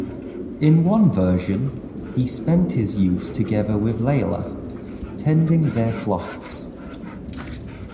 In one version, he spent his youth together with Layla, tending their flocks.